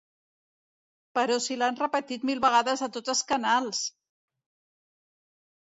Però si l'han repetit mil vegades a tots els canals!